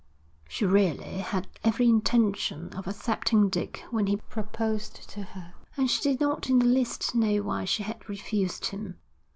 She really had every intention of accepting Dick when he proposed to her, and she did not in the least know why she had refused him.